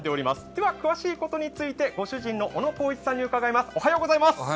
では、詳しいことについて、ご主人の小野光一さんに伺います。